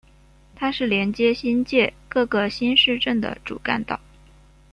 它是连接新界各个新市镇的主干道。